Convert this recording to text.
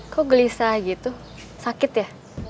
kok gelisah gitu sakit ya